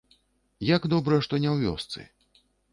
Як добра, што не ў вёсцы.